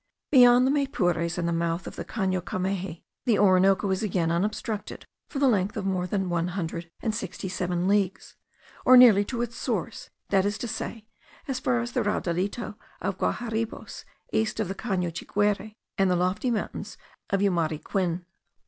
Beyond the Maypures and the mouth of the Cano Cameji, the Orinoco is again unobstructed for the length of more than one hundred and sixty seven leagues, or nearly to its source; that is to say, as far as the Raudalito of Guaharibos, east of the Cano Chiguire and the lofty mountains of Yumariquin.